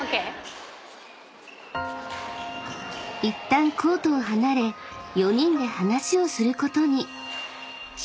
［いったんコートを離れ４人で話をすることに］